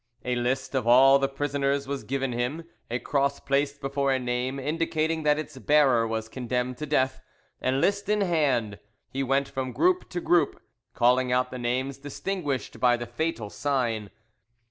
A list of all the prisoners was given him, a cross placed before a name indicating that its bearer was condemned to death, and, list in hand, he went from group to group calling out the names distinguished by the fatal sign.